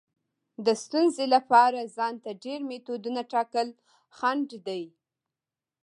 د ستونزې لپاره ځان ته ډیر میتودونه ټاکل خنډ دی.